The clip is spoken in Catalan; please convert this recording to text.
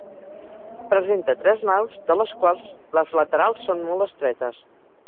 Presenta tres naus, de les quals, les laterals són molt estretes.